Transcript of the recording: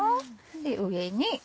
上に。